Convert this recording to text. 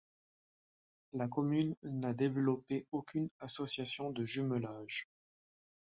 La commune n'a développée aucune association de jumelage.